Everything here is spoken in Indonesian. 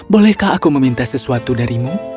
bolehkah aku meminta sesuatu darimu